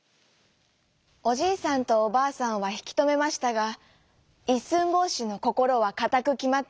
おじいさんとおばあさんはひきとめましたがいっすんぼうしのこころはかたくきまっていました。